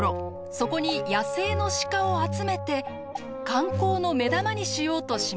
そこに野生の鹿を集めて観光の目玉にしようとしました。